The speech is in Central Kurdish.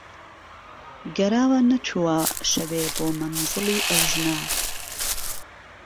گەراوه نهچوهوە شهوێ بۆ مهنزڵی ئه وژنه